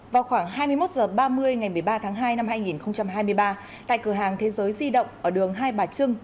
vào khoảng hai mươi một h ba mươi ngày một mươi ba tháng hai năm hai nghìn hai mươi ba tại cửa hàng thế giới di động ở đường hai bà trưng